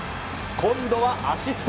今度はアシスト。